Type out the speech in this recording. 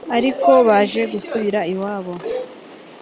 ariko baje gusubira iwabo